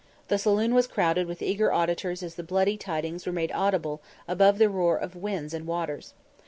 The saloon was crowded with eager auditors as the bloody tidings were made audible above the roar of winds and waters.